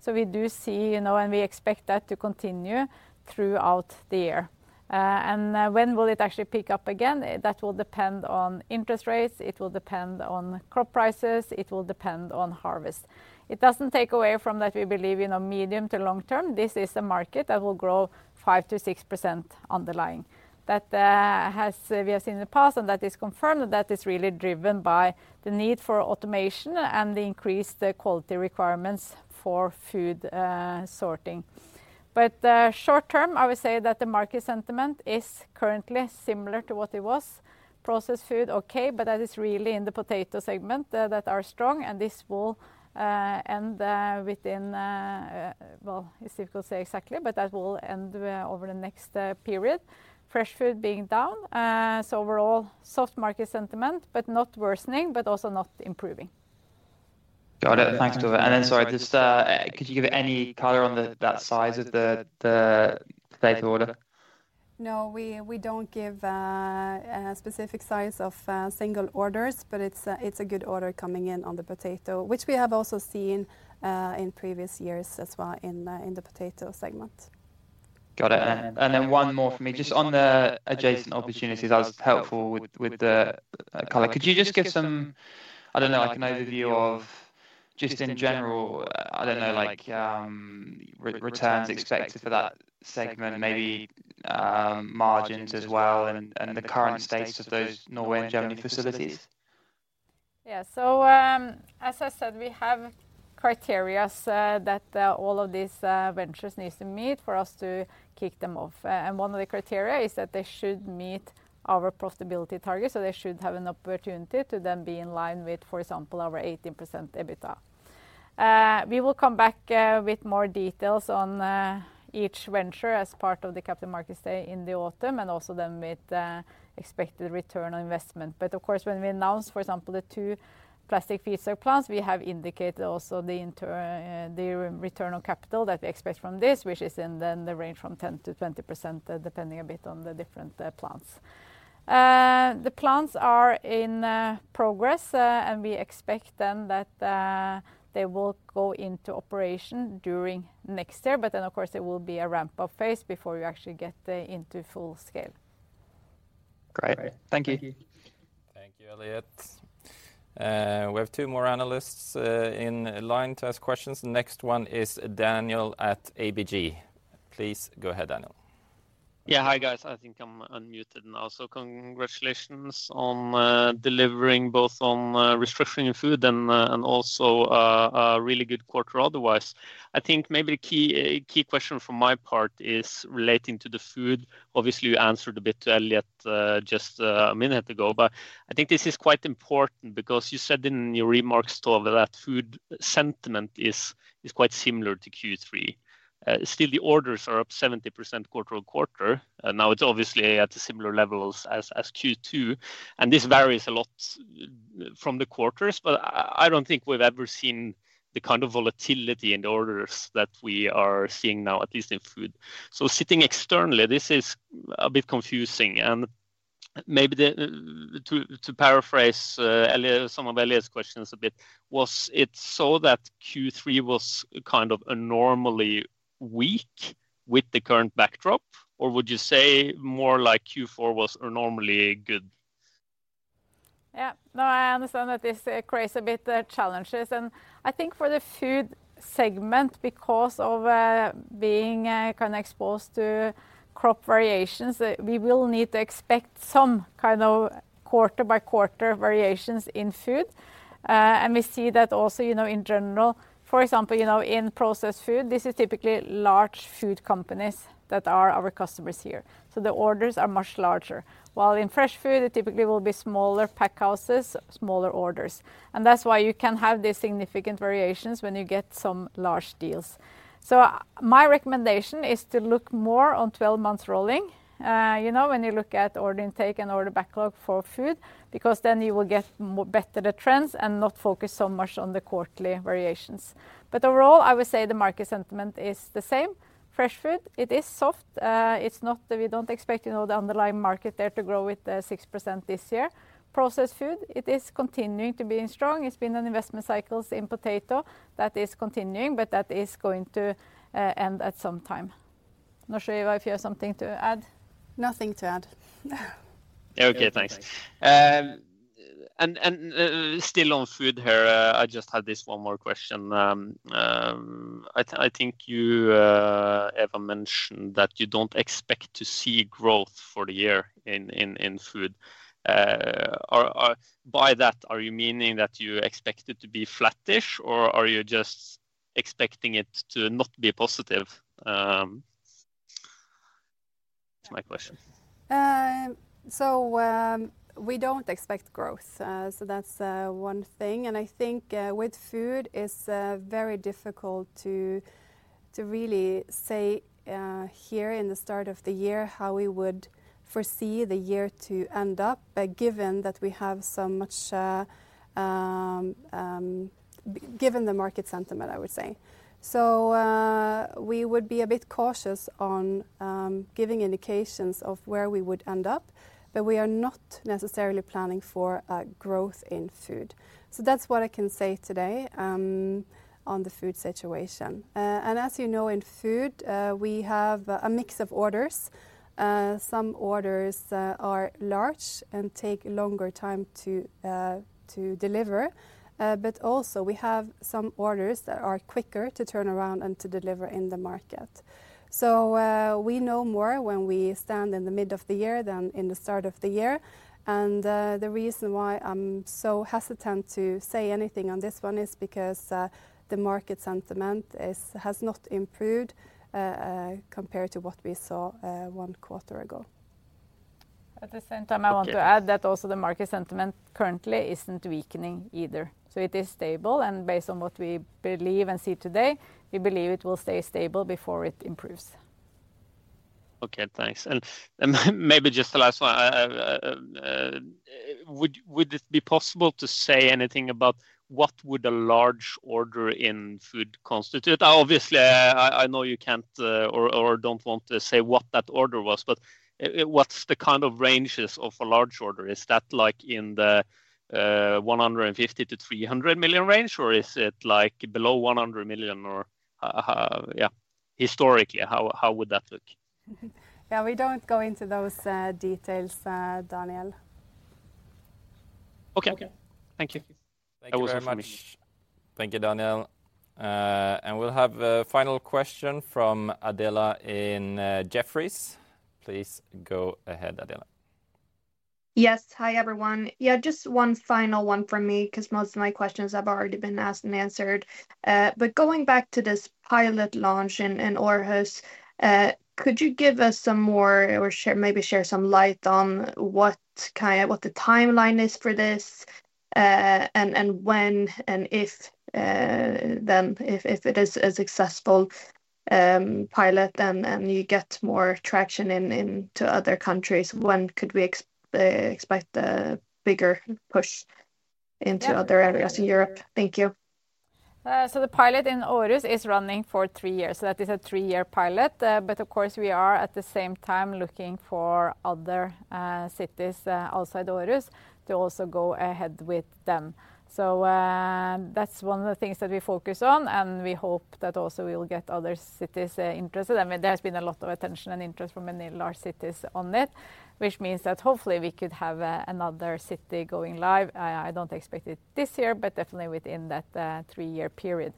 So we do see and we expect that to continue throughout the year. And when will it actually pick up again? That will depend on interest rates. It will depend on crop prices. It will depend on harvest. It doesn't take away from that we believe medium- to long-term, this is a market that will grow 5%-6% underlying. That has we have seen in the past, and that is confirmed, that that is really driven by the need for automation and the increased quality requirements for food sorting. But short-term, I would say that the market sentiment is currently similar to what it was. Processed food, okay. But that is really in the potato segment that are strong. And this will end within well, it's difficult to say exactly, but that will end over the next period. Fresh food being down. So overall, soft market sentiment, but not worsening, but also not improving. Got it. Thanks, Tove. And then sorry, could you give any color on that size of the potato order? No. We don't give a specific size of single orders. But it's a good order coming in on the potato, which we have also seen in previous years as well in the potato segment. Got it. And then one more for me, just on the adjacent opportunities, that was helpful with the color. Could you just give some I don't know, an overview of just in general, I don't know, returns expected for that segment, maybe margins as well, and the current status of those Norway and Germany facilities? Yeah. So as I said, we have criteria that all of these ventures need to meet for us to kick them off. And one of the criteria is that they should meet our profitability targets. So they should have an opportunity to then be in line with, for example, our 18% EBITDA. We will come back with more details on each venture as part of the Capital Markets Day in the autumn, and also then with expected return on investment. But of course, when we announce, for example, the two plastic feedstock plants, we have indicated also the return on capital that we expect from this, which is in the range from 10%-20%, depending a bit on the different plants. The plants are in progress, and we expect then that they will go into operation during next year. But then, of course, there will be a ramp-up phase before you actually get into full scale. Great. Thank you. Thank you, Elliott. We have two more analysts in line to ask questions. The next one is Daniel at ABG. Please go ahead, Daniel. Yeah. Hi, guys. I think I'm unmuted now. So congratulations on delivering both on restructuring in food and also a really good quarter otherwise. I think maybe the key question from my part is relating to the food. Obviously, you answered a bit to Elliott just a minute ago. But I think this is quite important because you said in your remarks, Tove, that food sentiment is quite similar to Q3. Still, the orders are up 70% quarter-over-quarter. Now, it's obviously at similar levels as Q2. This varies a lot from the quarters. But I don't think we've ever seen the kind of volatility in the orders that we are seeing now, at least in food. So sitting externally, this is a bit confusing. And maybe to paraphrase some of Elliott's questions a bit, was it so that Q3 was kind of abnormally weak with the current backdrop, or would you say more like Q4 was abnormally good? Yeah. No, I understand that this creates a bit of challenges. And I think for the food segment, because of being kind of exposed to crop variations, we will need to expect some kind of quarter-by-quarter variations in food. And we see that also in general, for example, in processed food, this is typically large food companies that are our customers here. So the orders are much larger. While in fresh food, it typically will be smaller packhouses, smaller orders. And that's why you can have these significant variations when you get some large deals. So my recommendation is to look more on 12-month rolling when you look at order intake and order backlog for food because then you will get better the trends and not focus so much on the quarterly variations. But overall, I would say the market sentiment is the same. Fresh food, it is soft. We don't expect the underlying market there to grow with 6% this year. Processed food, it is continuing to be strong. It's been an investment cycle in potato that is continuing, but that is going to end at some time. Not sure if I have something to add. Nothing to add. Yeah. Okay. Thanks. And still on food here, I just had this one more question. I think you, Eva, mentioned that you don't expect to see growth for the year in food. By that, are you meaning that you expect it to be flattish, or are you just expecting it to not be positive? That's my question. So we don't expect growth. So that's one thing. And I think with food, it's very difficult to really say here in the start of the year how we would foresee the year to end up given that we have so much given the market sentiment, I would say. So we would be a bit cautious on giving indications of where we would end up. But we are not necessarily planning for growth in food. So that's what I can say today on the food situation. And as you know, in food, we have a mix of orders. Some orders are large and take longer time to deliver. But also, we have some orders that are quicker to turn around and to deliver in the market. So we know more when we stand in the mid of the year than in the start of the year. And the reason why I'm so hesitant to say anything on this one is because the market sentiment has not improved compared to what we saw one quarter ago. At the same time, I want to add that also the market sentiment currently isn't weakening either. So it is stable. And based on what we believe and see today, we believe it will stay stable before it improves. Okay. Thanks. And maybe just the last one. Would it be possible to say anything about what would a large order in food constitute? Obviously, I know you can't or don't want to say what that order was. But what's the kind of ranges of a large order? Is that in the 150 million-300 million range, or is it below 100 million? Yeah. Historically, how would that look? Yeah. We don't go into those details, Daniel. Okay. Thank you. Thank you so much. Thank you, Daniel. And we'll have a final question from Adela in Jefferies. Please go ahead, Adela. Yes. Hi, everyone. Yeah. Just one final one from me because most of my questions have already been asked and answered. But going back to this pilot launch in Aarhus, could you give us some more or maybe share some light on what the timeline is for this and when and if then if it is a successful pilot and you get more traction into other countries, when could we expect a bigger push into other areas in Europe? Thank you. So the pilot in Aarhus is running for three years. So that is a three-year pilot. But of course, we are at the same time looking for other cities outside Aarhus to also go ahead with them. So that's one of the things that we focus on. And we hope that also we will get other cities interested. I mean, there has been a lot of attention and interest from many large cities on it, which means that hopefully, we could have another city going live. I don't expect it this year, but definitely within that three-year period.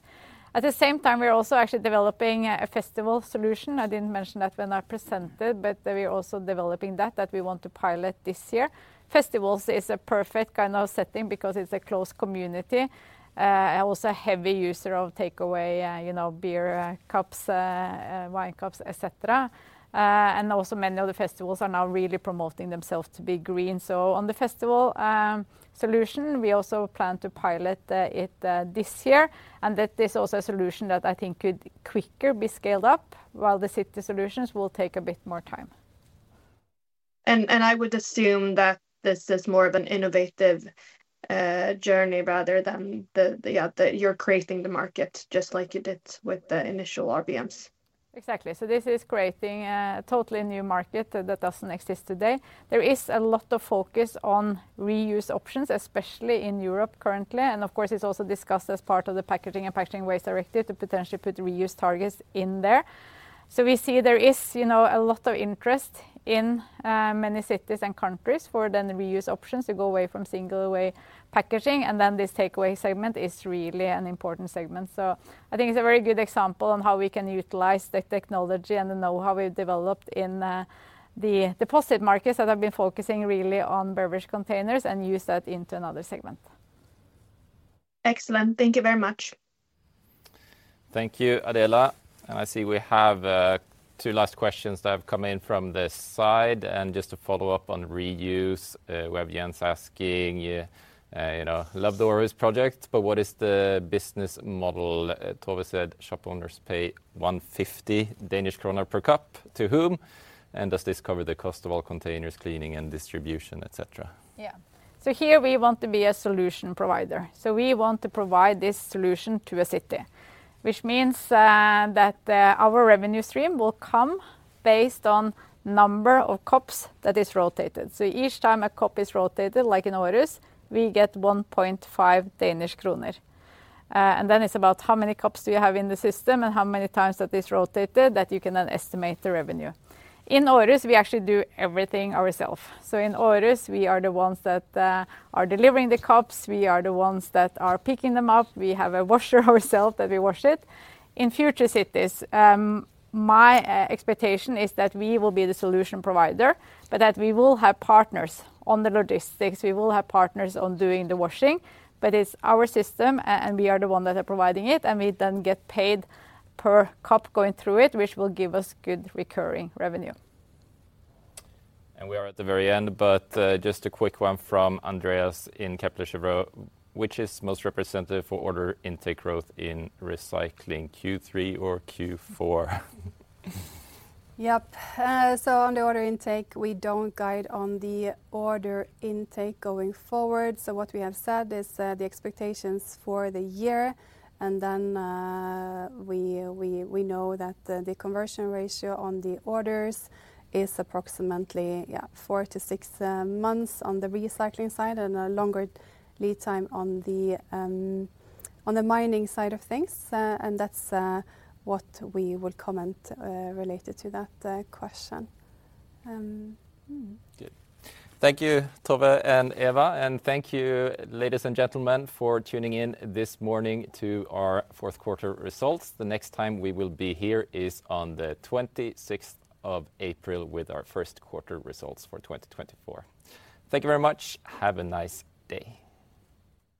At the same time, we're also actually developing a festival solution. I didn't mention that when I presented, but we're also developing that, that we want to pilot this year. Festivals is a perfect kind of setting because it's a close community. I'm also a heavy user of takeaway beer cups, wine cups, etc. And also many of the festivals are now really promoting themselves to be green. So on the festival solution, we also plan to pilot it this year. And that is also a solution that I think could quicker be scaled up, while the city solutions will take a bit more time. And I would assume that this is more of an innovative journey rather than the yeah, that you're creating the market just like you did with the initial RVMs. Exactly. So this is creating a totally new market that doesn't exist today. There is a lot of focus on reuse options, especially in Europe currently. And of course, it's also discussed as part of the Packaging and Packaging Waste Directive to potentially put reuse targets in there. So we see there is a lot of interest in many cities and countries for then reuse options to go away from single-use packaging. And then this takeaway segment is really an important segment. So I think it's a very good example on how we can utilize the technology and the know-how we've developed in the deposit markets that have been focusing really on beverage containers and use that into another segment. Excellent. Thank you very much. Thank you, Adela. And I see we have two last questions that have come in from the side. And just to follow up on reuse, we have Jens asking, "I love the Aarhus project, but what is the business model?" Tove said, "Shop owners pay 150 Danish kroner per cup. To whom? And does this cover the cost of all containers cleaning and distribution, etc.?" Yeah. So here, we want to be a solution provider. So we want to provide this solution to a city, which means that our revenue stream will come based on number of cups that is rotated. So each time a cup is rotated, like in Aarhus, we get 1.5 Danish kroner. And then it's about how many cups do you have in the system and how many times that is rotated that you can then estimate the revenue. In Aarhus, we actually do everything ourselves. So in Aarhus, we are the ones that are delivering the cups. We are the ones that are picking them up. We have a washer ourselves that we wash it. In future cities, my expectation is that we will be the solution provider, but that we will have partners on the logistics. We will have partners on doing the washing. But it's our system, and we are the ones that are providing it. And we then get paid per cup going through it, which will give us good recurring revenue. And we are at the very end. But just a quick one from Andreas in Kepler Cheuvreux, "Which is most representative for order intake growth in recycling Q3 or Q4?" Yep. So on the order intake, we don't guide on the order intake going forward. So what we have said is the expectations for the year. And then we know that the conversion ratio on the orders is approximately four to six months on the recycling side and a longer lead time on the mining side of things. And that's what we will comment related to that question. Good. Thank you, Tove and Eva. And thank you, ladies and gentlemen, for tuning in this morning to our fourth quarter results. The next time we will be here is on the 26th of April with our first quarter results for 2024. Thank you very much. Have a nice day.